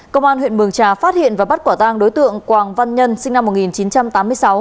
công an huyện mường trà phát hiện và bắt quả tang đối tượng quảng văn nhân sinh năm một nghìn chín trăm tám mươi sáu